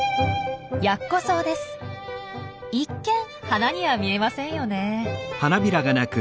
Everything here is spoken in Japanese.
一見花には見えませんよねえ。